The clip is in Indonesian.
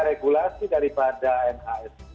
regulasi daripada mas ini